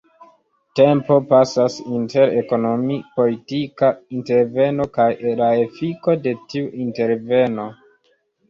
Tempo pasas inter ekonomi-politika interveno kaj la efiko de tiu interveno.